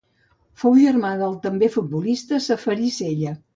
Fou germà del també futbolista Ceferí Cella.